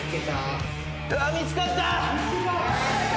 うわっ見つかった！